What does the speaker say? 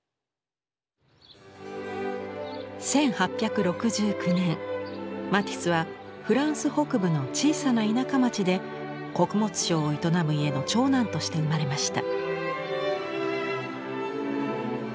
１８６９年マティスはフランス北部の小さな田舎町で穀物商を営む家の長男として生まれました。